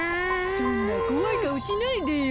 そんなこわいかおしないでよ。